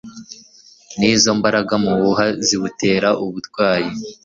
nizo mbaraga muwuha ziwutera uburwayi